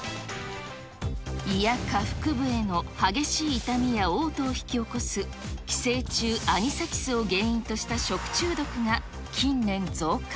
いや下腹部への激しい痛みやおう吐を引き起こす、寄生虫、アニサキスを原因とした食中毒が、近年増加。